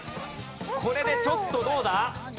これでちょっとどうだ？